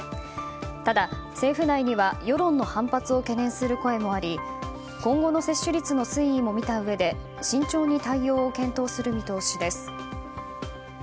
ただ、政府内には世論の反発を懸念する声もあり今後の接種率の推移も見たうえで慎重に対応を検討する見通しです。